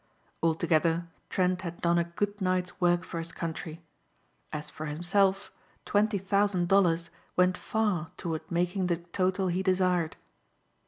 Altogether Trent had done a good night's work for his country. As for himself twenty thousand dollars went far toward making the total he desired.